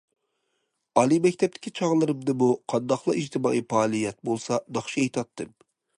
ئالىي مەكتەپتىكى چاغلىرىمدىمۇ قانداقلا ئىجتىمائىي پائالىيەت بولسا ناخشا ئېيتاتتىم.